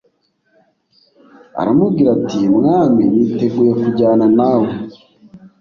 Aramubwira ati Mwami niteguye kujyana nawe